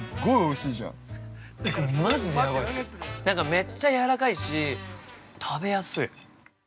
◆めっちゃやわらかいし、食べやすい。